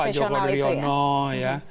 walaupun ada pak joko riono ya